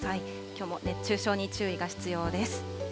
きょうも熱中症に注意が必要です。